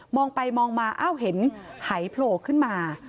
ไปมองมาอ้าวเห็นหายโผล่ขึ้นมา